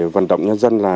vận động nhân dân